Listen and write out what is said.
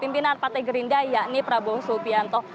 pimpinan partai gerinda yakni prabowo soepianto